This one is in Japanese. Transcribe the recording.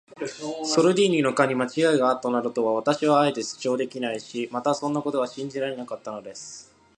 ソルディーニの課にまちがいがあったなどとは、私もあえて主張できないし、またそんなことは信じられなかったのです。